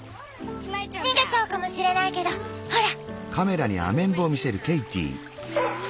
逃げちゃうかもしれないけどほら！